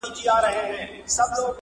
ادبي مجلسونه دا کيسه يادوي تل.